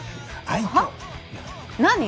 はい